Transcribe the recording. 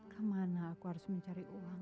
kemana aku harus mencari uang